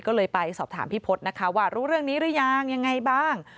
ก็เลยไปสอบถามพี่พศนะคะว่ารู้เรื่องนี้หรือยังยังไงบ้าง